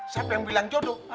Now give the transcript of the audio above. siapa yang bilang jodoh